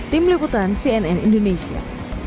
tim liputan cnn indonesia